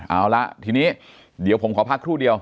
เอาละทีนี้เดี๋ยวผมขอพักครู่เดียว